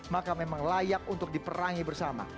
maka memang layak untuk diperangi bersama